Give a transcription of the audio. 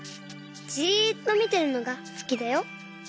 じっとみてるのがすきだよ。